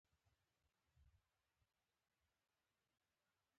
حیوانات ځینې وختونه ځانګړي سترګې لري.